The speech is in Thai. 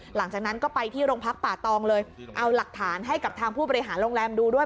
หลังจากนั้นก็ไปที่โรงพักป่าตองเลยเอาหลักฐานให้กับทางผู้บริหารโรงแรมดูด้วย